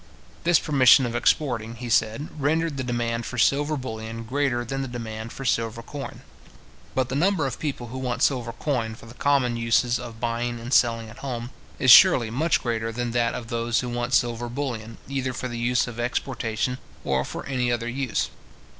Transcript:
This permission of exporting, he said, rendered the demand for silver bullion greater than the demand for silver coin. But the number of people who want silver coin for the common uses of buying and selling at home, is surely much greater than that of those who want silver bullion either for the use of exportation or for any other use.